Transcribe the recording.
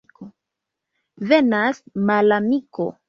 Venas malamiko!